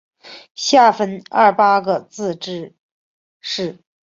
下分廿八个自治市。